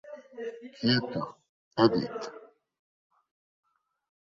Quito: Edit.